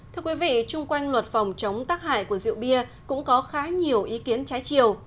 thưa quý vị trung quanh luật phòng chống tác hại của rượu bia cũng có khá nhiều ý kiến trái chiều